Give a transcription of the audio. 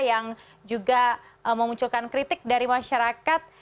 yang juga memunculkan kritik dari masyarakat